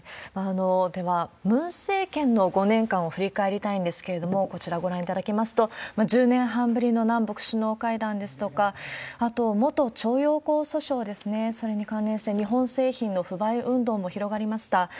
ではムン政権の５年間を振り返りたいんですけれども、こちらをご覧いただきますと、１０年半ぶりの南北首脳会談ですとか、あと、元徴用工訴訟ですね、それに関連して、日本製品の不買運動も広がりました。